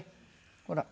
ほら。